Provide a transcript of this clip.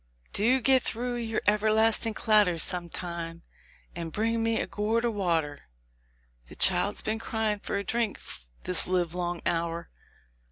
"Do get through your everlasting clatter some time, and bring me a gourd of water; the child's been crying for a drink this livelong hour."